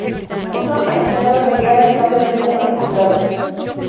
Son prisioneros de guerra y no deben ser ejecutados.